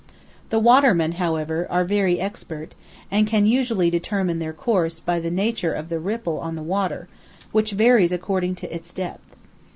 The watermen, however, are very expert, and can usually determine their course by the nature of the ripple on the water, which varies according to its depth.